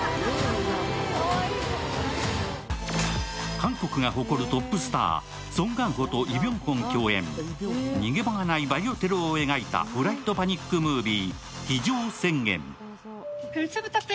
韓国が誇るトップスターソン・ガンホとイ・ビョンホン共演逃げ場がないバイオテロを描いたフライトパニックムービー「非常宣言」